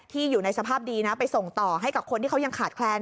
อยู่ในสภาพดีนะไปส่งต่อให้กับคนที่เขายังขาดแคลน